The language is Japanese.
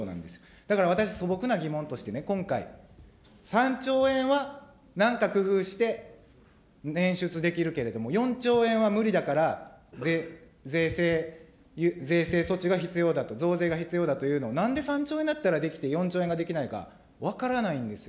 だから私、素朴な疑問として、今回、３兆円は、なんか工夫して捻出できるけれども、４兆円は無理だから、税制措置が必要だと、増税が必要だというのをなんで３兆円だったらできて、４兆円ができないか、分からないんですよ。